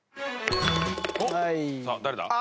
さあ誰だ？